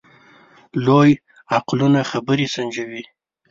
لوی عقلونه خبرې سنجوي.